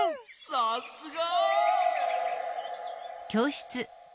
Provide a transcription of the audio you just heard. さすが！